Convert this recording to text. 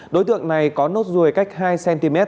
đối tượng này có nốt ruồi cách hai cm